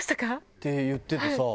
って言っててさ。